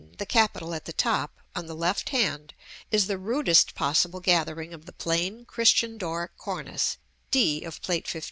the capital at the top, on the left hand, is the rudest possible gathering of the plain Christian Doric cornice, d of Plate XV.